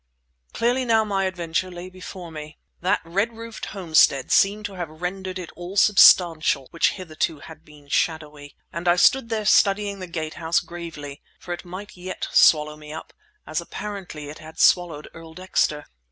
Clearly now my adventure lay before me; that red roofed homestead seemed to have rendered it all substantial which hitherto had been shadowy; and I stood there studying the Gate House gravely, for it might yet swallow me up, as apparently it had swallowed Earl Dexter.